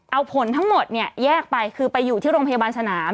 เอาผลทั้งหมดเนี่ยแยกไปคือไปอยู่ที่โรงพยาบาลสนาม